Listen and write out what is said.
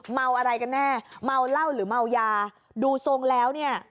เมาอะไรกันแน่เมาเหล้าหรือเมายาดูทรงแล้วเนี่ย